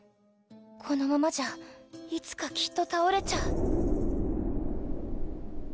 このままじゃいつかきっとたおれちゃう。